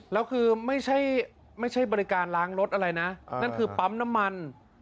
แล้วคือไม่ใช่บริการล้างรถอะไรนะนั่นคือปั๊มน้ำมัน